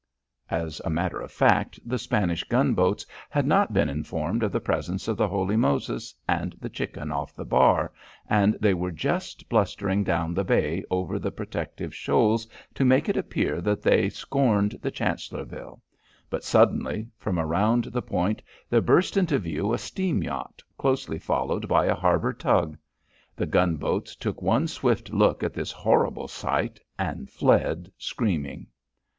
As a matter of fact, the Spanish gunboats had not been informed of the presence of the Holy Moses and the Chicken off the bar, and they were just blustering down the bay over the protective shoals to make it appear that they scorned the Chancellorville. But suddenly, from around the point, there burst into view a steam yacht, closely followed by a harbour tug. The gunboats took one swift look at this horrible sight and fled screaming.